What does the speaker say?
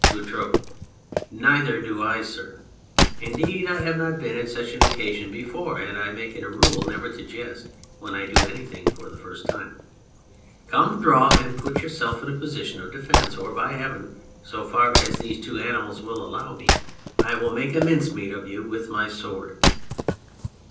BOUTROUX. Neither do I, sir. Indeed, I have not been in such an occasion before ; and I make it a rule never to jest when I do anything for the first time. Come, draw, and put yourself in a posture of defence, or, by Heaven (so far as these two animals will allow me) I will make a mincemeat of you with my sword.